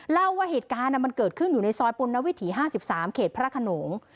เล่าว่าเหตุการณ์มันเกิดขึ้นอยู่ในซอยปุณวิถี๕๓เขตพระขนง